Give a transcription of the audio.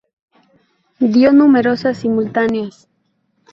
Dio numerosas simultáneas.